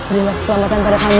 berilah keselamatan pada kami